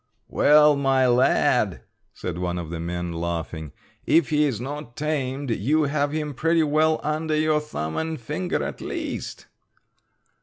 "Well, my lad," said one of the men, laughing, "if he is not tamed you have him pretty well under your thumb and finger at least."